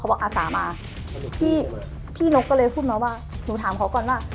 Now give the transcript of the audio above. บอกอาสามาพี่พี่นกก็เลยพูดมาว่าหนูถามเขาก่อนว่า